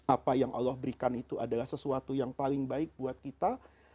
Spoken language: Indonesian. apa yang allah berikan itu adalah sesuatu yang paling baik buat kita